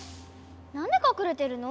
なんでかくれてるの？